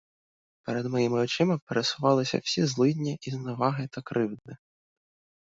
Перед моїми очима пересувалися всі злидні і зневаги та кривди.